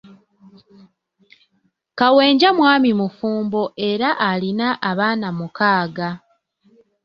Kawenja mwami mufumbo era alina abaana mukaaga